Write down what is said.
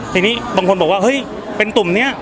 ทีนี้บางคนบอกว่าเฮ้ยเป็นตุ่มนี้